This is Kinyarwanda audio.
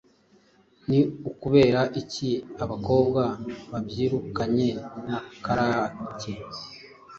Ni ukubera iki abakobwa babyirukanye na Karake